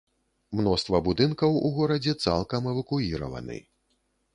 Мноства будынкаў у горадзе цалкам эвакуіраваны.